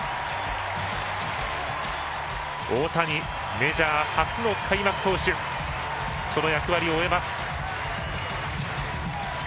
大谷メジャー初の開幕投手その役割を終えます。